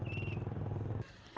kepada bupati brebes